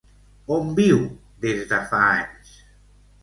On viu des de fa anys?